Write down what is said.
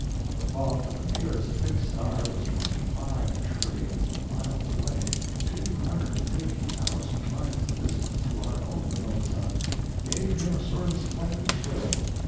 The thought that the nearest fixed star was twenty five trillions of miles away two hundred and fifty thousand times the distance to our own remote sun gave him a sort of splendid thrill.